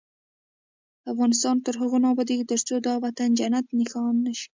افغانستان تر هغو نه ابادیږي، ترڅو دا وطن جنت نښان نشي.